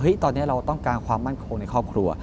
ตอนนี้เราต้องการความมั่นคงในครอบครัว